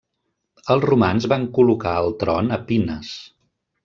Els romans van col·locar al tron a Pinnes.